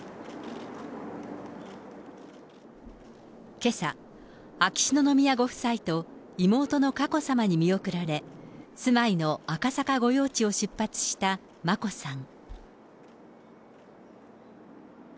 けさ、秋篠宮ご夫妻と妹の佳子さまに見送られ、住まいの赤坂御用地を出発した眞子さん。